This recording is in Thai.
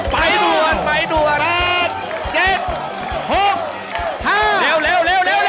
ไปด่วน